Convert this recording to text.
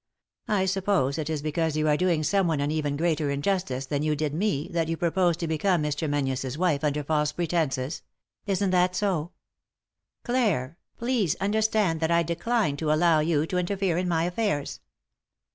I suppose it is because you are doing someone an even greater injustice than you did me that you propose 280 D y Google THE INTERRUPTED KISS to become Mr. Menzies' wife under false pretences — isn't that so ?" "Clam, please understand that I decline to allow you to interfere in my affairs."